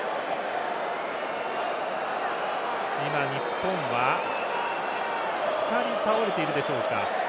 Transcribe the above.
今、日本は２人倒れているでしょうか。